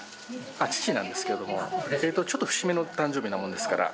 父なんですけども、ちょっと節目の誕生日なもんですから。